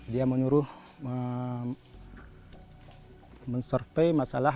dia menyuruh men survey masalah